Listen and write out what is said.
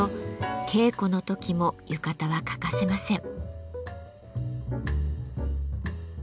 稽古の時も浴衣は欠かせません。